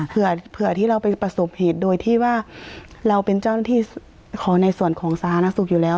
เผื่อที่เราไปประสบเหตุโดยที่ว่าเราเป็นเจ้าหน้าที่ของในส่วนของสาธารณสุขอยู่แล้ว